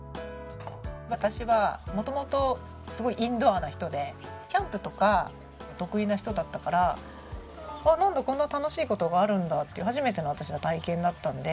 私は元々すごいインドアな人でキャンプとか得意な人だったから「なんだこんな楽しい事があるんだ」って初めての私の体験だったんで。